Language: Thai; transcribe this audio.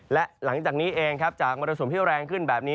และหลังจากนี้เองจากบริษัทศูนย์ที่แรงขึ้นแบบนี้